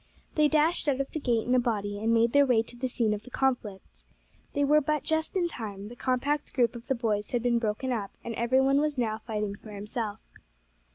They dashed out of the gate in a body, and made their way to the scene of the conflict. They were but just in time; the compact group of the boys had been broken up, and every one now was fighting for himself.